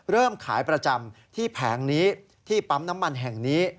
เริ่มขายประจำที่แผงนี้ที่ปั๊มน้ำมันแห่งนี้